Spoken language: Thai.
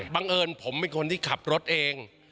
บังเอิญผมเป็นคนที่ขับรถเอง